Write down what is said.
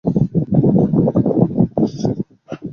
কিন্তু আমার তাহাতে কী দোষ ছিল।